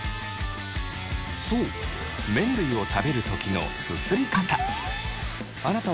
そう麺類を食べる時のすすり方。